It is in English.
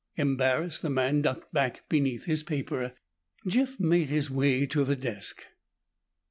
Embarrassed, the man ducked back beneath his paper. Jeff made his way to the desk.